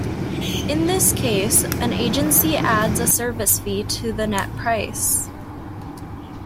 In this case, an agency adds a service fee to the net price.